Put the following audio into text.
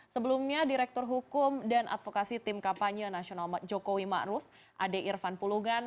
sebelumnya direktur hukum dan advokasi tim kapanya nasional jokowi ma'ruf ade irfan pulungan